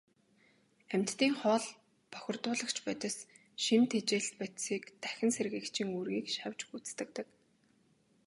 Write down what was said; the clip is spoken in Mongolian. Амьтдын хоол, бохирдуулагч бодис, шим тэжээлт бодисыг дахин сэргээгчийн үүргийг шавж гүйцэтгэдэг.